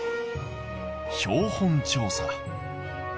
「標本調査」。